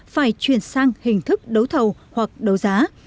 phải chuyển sang hình thức đấu thầu hoặc đấu giá